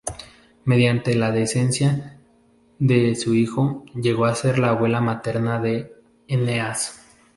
Mediante la descendencia de su hijo, llegó a ser la abuela materna de Eneas.